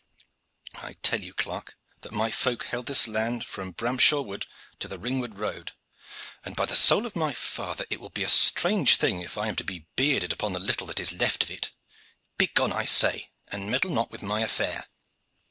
I tell you, clerk, that my folk held this land from Bramshaw Wood to the Ringwood road; and, by the soul of my father! it will be a strange thing if I am to be bearded upon the little that is left of it. Begone, I say, and meddle not with my affair."